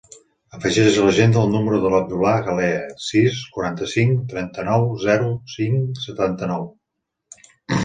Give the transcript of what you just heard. Afegeix a l'agenda el número de l'Abdullah Galea: sis, quaranta-cinc, trenta-nou, zero, cinc, setanta-nou.